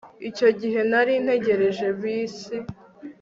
Icyo gihe nari ntegereje bisi